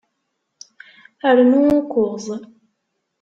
Rnu ukuẓ.